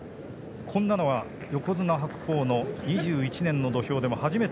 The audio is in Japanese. こんなのは横綱白鵬の２１年の土俵でも初めて見ます。